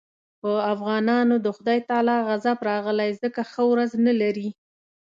په افغانانو د خدای تعالی غضب راغلی ځکه ښه ورځ نه لري.